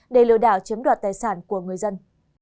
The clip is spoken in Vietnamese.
để lừa đảo chiếm đoạt tài sản của người dân